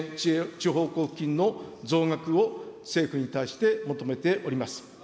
地方交付金の増額を政府に対して求めております。